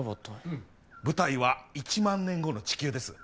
うん舞台は一万年後の地球です